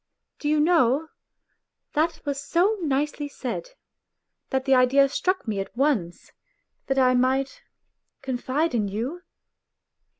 ' Do you know, that was so nicely said, that the idea struck me at once, that I might confide in you